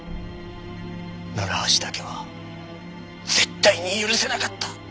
楢橋だけは絶対に許せなかった！